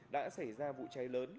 đã xảy ra vụ cháy lớn